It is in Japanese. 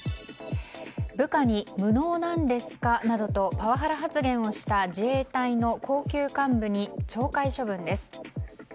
部下に無能なんですかなどとパワハラ発言をした自衛隊の高級幹部に懲戒処分です。